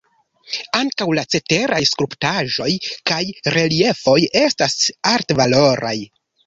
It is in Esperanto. Ankaŭ la ceteraj skulptaĵoj kaj reliefoj estas altvaloraj.